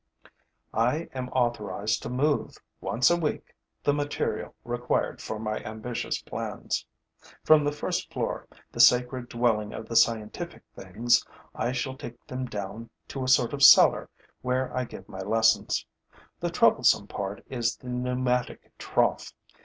I am authorized to move, once a week, the material required for my ambitious plans. From the first floor, the sacred dwelling of the scientific things, I shall take them down to a sort of cellar where I give my lessons. The troublesome part is the pneumatic trough.